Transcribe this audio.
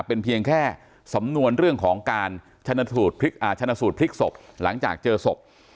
เป็นเพียงแค่สำนวนเรื่องของการชนะสูตรพลิกศพหลังจากเจอศพ